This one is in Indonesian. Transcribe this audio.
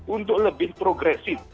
untuk lebih progresif